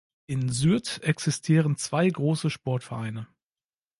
In Sürth existieren zwei große Sportvereine.